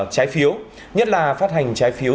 trái phiếu nhất là phát hành trái phiếu